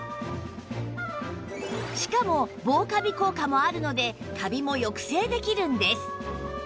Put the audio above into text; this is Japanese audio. しかも防カビ効果もあるのでカビも抑制できるんです